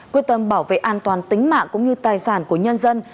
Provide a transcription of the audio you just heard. quyết tâm bảo vệ an toàn tính mạng cũng như tài sản của nhân dân